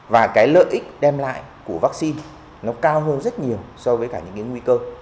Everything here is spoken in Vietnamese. và cái lợi ích đem lại của vaccine nó cao hơn rất nhiều so với cả những cái nguy cơ